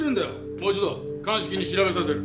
もう一度鑑識に調べさせる。